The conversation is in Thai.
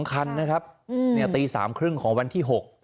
คันนะครับตี๓๓๐ของวันที่๖